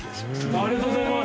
ありがとうございます。